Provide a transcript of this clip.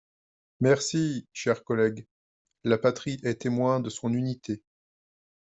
Merci, chers collègues. La patrie est témoin de son unité.